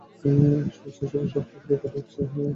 সমস্ত শরীর শক্ত করিয়া গোরা স্তব্ধ হইয়া দাঁড়াইয়া রহিল।